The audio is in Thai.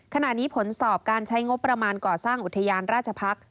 ขณะนี้ผลสอบการใช้งบประมาณก่อสร้างอุทยานราชพักษ์